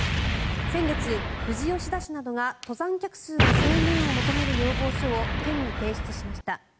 先月、富士吉田市などが登山客数の制限を求める要望書を県に提出しました。